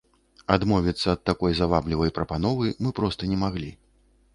Адмовіцца ад такой заваблівай прапановы мы проста не маглі.